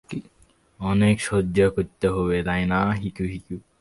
অনেক সহ্য করতে হবে, তাই না?